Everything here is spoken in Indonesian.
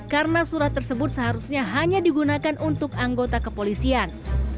karena surat tersebut seharusnya hanya digunakan untuk anggota kepolisian